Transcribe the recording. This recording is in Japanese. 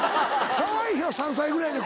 かわいいやん３歳ぐらいで。